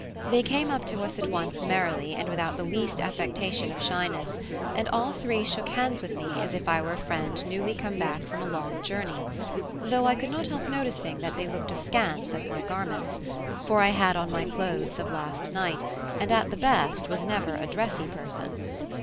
They came up to us at once merrily and without the least affectation of shyness, and all three shook hands with me as if I were a friend newly come back from a long journey: though I could not help noticing that they looked askance at my garments; for I had on my clothes of last night, and at the best was never a dressy person.